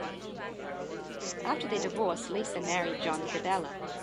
After their divorce, Lisa married John DeBella.